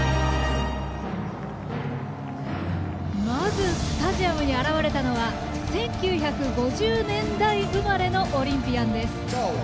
まずスタジアムに現れたのは１９５０年代生まれのオリンピアンです。